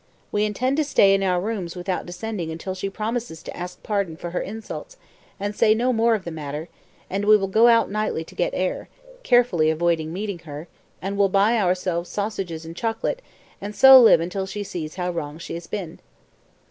We intend to stay in our rooms without descending until she promises to ask pardon for her insults, and say no more of the matter; and we will go out nightly to get air carefully avoiding meeting her and will buy ourselves sausages and chocolate, and so live until she sees how wrong she has been."